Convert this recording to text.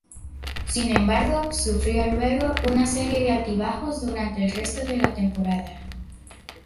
Sin embargo sufrió luego una serie de altibajos durante el resto de la temporada.